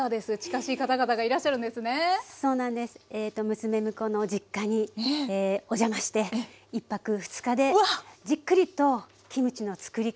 娘婿の実家にお邪魔して１泊２日でじっくりとキムチのつくり方